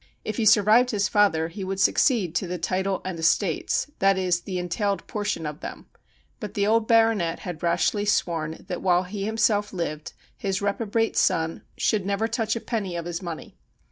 If he survived his father he would succeed to the title and estates — that is> the entailed portion of them ; but the old Baronet had rashly sworn that while he himself lived his reprobate son should never touch a penny of his money.